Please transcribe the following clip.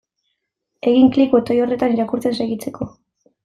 Egin klik botoi horretan irakurtzen segitzeko.